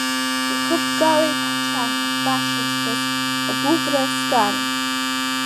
Ихыбгалеит ҳчара, баша сразк агәыӷра сгаран.